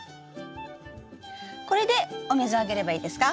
これでお水をあげればいいですか？